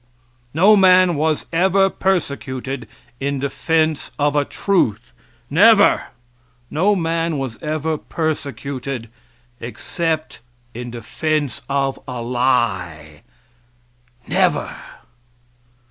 No man was ever persecuted in defense of a truth never. No man was ever persecuted except in defense of a lie never.